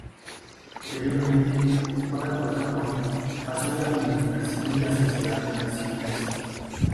Posteriormente ocupada por Japón, pasó a la administración de la Sociedad de Naciones.